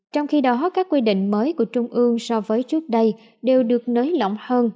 trong khi đó các quy định mới của trung ương so với trước đây đều được nới lỏng hơn